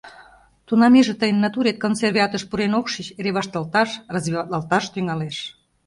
Тунам иже тыйын натурет консерве атыш пурен ок шич, эре вашталташ, развиватлалташ тӱҥалеш.